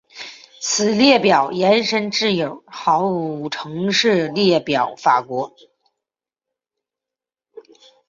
此列表延伸至友好城市列表法国。